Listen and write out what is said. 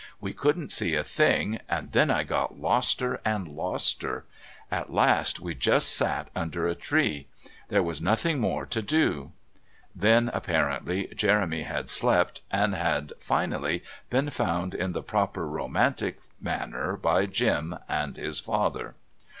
We couldn't see a thing, and then I got loster and loster. At last we just sat under a tree. There was nothing more to do!" Then, apparently, Jeremy had slept, and had, finally, been found in the proper romantic manner by Jim and his father.